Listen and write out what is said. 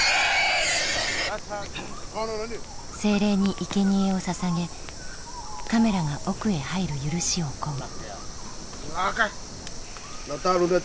精霊にいけにえをささげカメラが奥へ入る許しを請う。